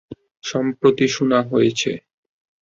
সম্প্রতি শোনা হয়েছে।